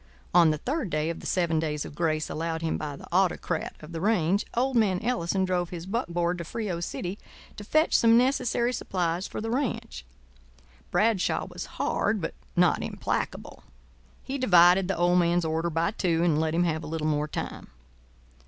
On the third day of the seven days of grace allowed him by the autocrat of the range, old man Ellison drove his buckboard to Frio City to fetch some necessary supplies for the ranch. Bradshaw was hard but not implacable. He divided the old man's order by two, and let him have a little more time.